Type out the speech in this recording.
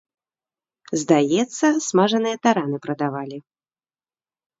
Здаецца, смажаныя тараны прадавалі.